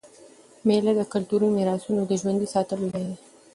مېله د کلتوري میراثونو د ژوندي ساتلو ځای دئ.